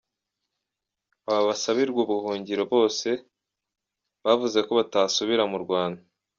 Aba basabirwa ubuhungiro, bose bavuze ko batasubira mu Rwanda.